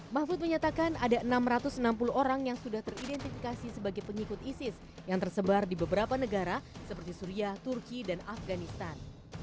mahfud menyatakan ada enam ratus enam puluh orang yang sudah teridentifikasi sebagai pengikut isis yang tersebar di beberapa negara seperti syria turki dan afganistan